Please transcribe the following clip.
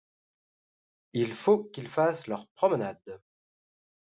Il faut qu'ils fassent leur promenade.